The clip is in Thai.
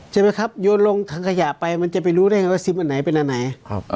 ใช่ไหมครับโยนลงถังขยะไปมันจะไปรู้ได้ไงว่าซิมอันไหนเป็นอันไหน